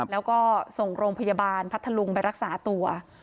แล้วก็ส่งโรงพยาบาลพัทธลุงไปรักษาตัว